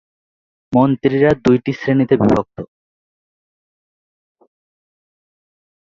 মন্ত্রীরা দুটি শ্রেণিতে বিভক্ত।